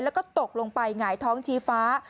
แล้วก็ตกลงไปหงายท้องชี้ฟ้า